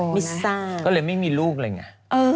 ไม่ทราบก็เลยไม่มีลูกเลยไง